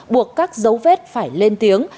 buộc các dấu vết phải lên tiếng